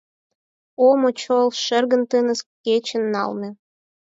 О, мочол шергын тыныс кечым налме!